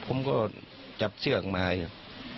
ผมก็จับเชือกมาอยู่